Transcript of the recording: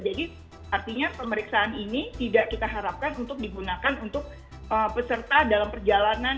jadi artinya pemeriksaan ini tidak kita harapkan untuk digunakan untuk peserta dalam perjalanan